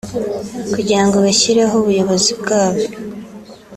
kugira ngo bashyireho ubuyobozi bwabo